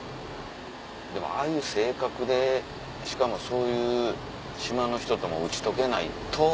でもああいう性格でしかもそういう島の人とも打ち解けないと。